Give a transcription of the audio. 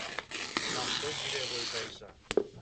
Μα αυτό γυρεύω ίσα-ίσα